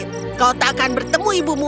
tempatnya mungkin heran endurance kamu